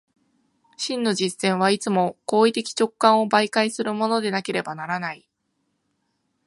真の実践はいつも行為的直観を媒介するものでなければならない。